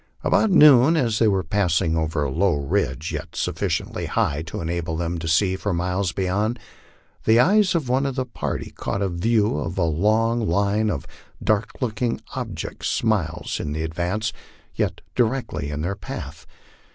About noon, as they were passing over a low ridge, yet sufficiently high to enable them to gee for miles beyond, the eyes of one of the party caught a view of a long line of dark looking objects miles in advance, yet directly in their path.